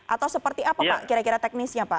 atau seperti apa pak kira kira teknisnya pak